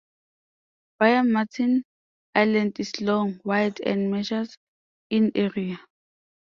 Byam Martin Island is long, wide, and measures in area.